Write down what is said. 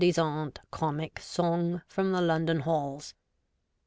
disant ' comic ' song from the London Halls.